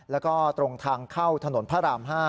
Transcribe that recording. แล้วก็ตรงทางเข้าถนนพระราม๕